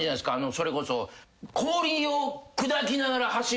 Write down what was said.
それこそ。